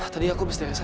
tadi aku beristirahat pak